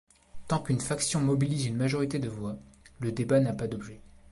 Tant qu'une faction mobilise une majorité de voix, le débat n'a pas d'objet.